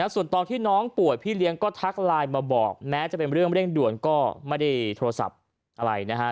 ส่วนตอนที่น้องป่วยพี่เลี้ยงก็ทักไลน์มาบอกแม้จะเป็นเรื่องเร่งด่วนก็ไม่ได้โทรศัพท์อะไรนะฮะ